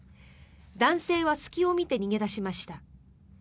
男性は隙を見て逃げ出しました。